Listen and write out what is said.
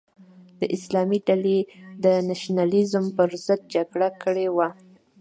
د اسلامي ډلې د نشنلیزم پر ضد جګړه کړې وه.